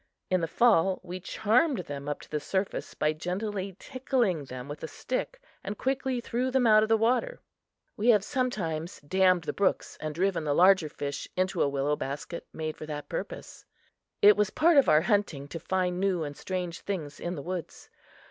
In the fall we charmed them up to the surface by gently tickling them with a stick and quickly threw them out. We have sometimes dammed the brooks and driven the larger fish into a willow basket made for that purpose. It was part of our hunting to find new and strange things in the woods.